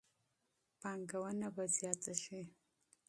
پانګونه به زیاته شي.